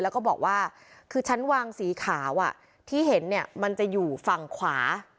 แล้วก็บอกว่าคือชั้นวางสีขาวที่เห็นเนี่ยมันจะอยู่ฝั่งขวา